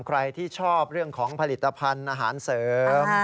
ใครที่ชอบเรื่องของผลิตภัณฑ์อาหารเสริม